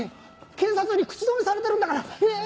警察に口止めされてるんだから！ねぇ？